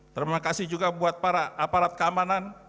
terima kasih juga buat para aparat keamanan